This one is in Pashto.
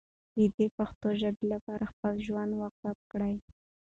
دی د پښتو ژبې لپاره خپل ژوند وقف کړی.